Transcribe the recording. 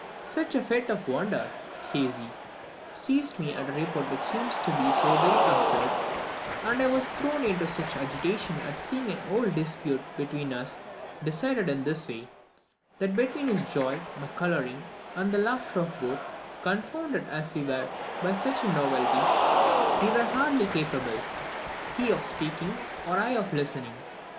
"Such a fit of wonder," says he, "seized me at a report which seemed to be so very absurd, and I was thrown into such agitation at seeing an old dispute between us decided in this way, that between his joy, my colouring, and the laughter of both, confounded as we were by such a novelty, we were hardly capable, he of speaking, or I of listening.